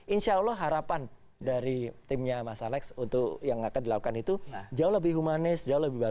insya allah harapan dari timnya mas alex untuk yang akan dilakukan itu jauh lebih humanis jauh lebih baik